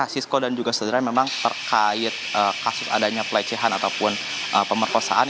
sisko dan juga sederhana memang terkait kasus adanya pelecehan ataupun pemerkosaan